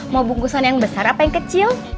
mau bungkusan yang besar apa yang kecil